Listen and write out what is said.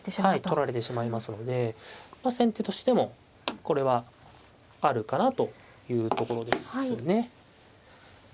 はい取られてしまいますので先手としてもこれはあるかなというところですね。